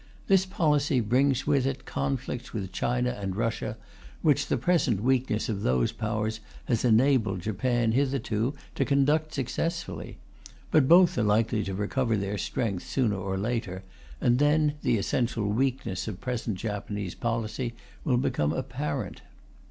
This policy brings with it conflicts with China and Russia, which the present weakness of those Powers has enabled Japan, hitherto, to conduct successfully. But both are likely to recover their strength sooner or later, and then the essential weakness of present Japanese policy will become apparent.